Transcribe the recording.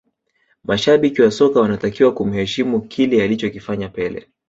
mashabiki wa soka wanatakiwa kumheshimu kile alichokifanya pele